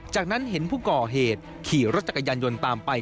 จากนั้นเห็นผู้ก่อเหตุขี่รถจักรยานยนต์ตามไป